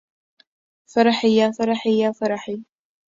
فرحي يا فرحي يا فرحي